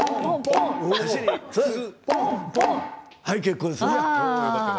はい、結構です。